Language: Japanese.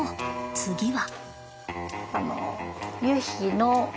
次は。